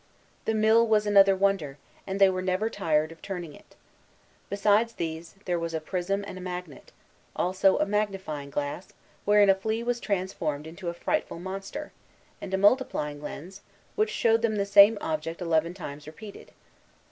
The mill was another wonder, and they were never tired of turning it. Besides these, there was a prism and a magnet; also a magnifying glass, wherein a flea was transformed to a frightful monster, and a multiplying lens, which showed them the same object eleven times repeated.